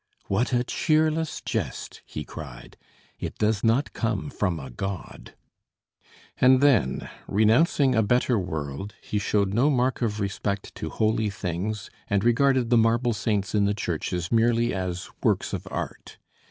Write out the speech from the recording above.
"What a cheerless jest!" he cried. "It does not come from a god!" And then, renouncing a better world, he showed no mark of respect to holy things and regarded the marble saints in the churches merely as works of art.